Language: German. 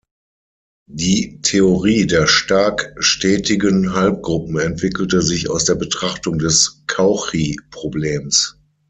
Die Theorie der stark stetigen Halbgruppen entwickelte sich aus der Betrachtung des Cauchy-Problems.